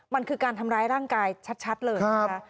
มันคือการทำร้ายร่างกายชัดเลยนะคะ